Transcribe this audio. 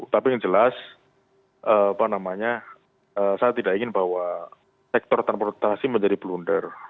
tapi yang jelas apa namanya saya tidak ingin bahwa sektor transportasi menjadi blunder